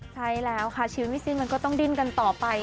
ใช่แล้วค่ะชีวิตไม่สิ้นมันก็ต้องดิ้นกันต่อไป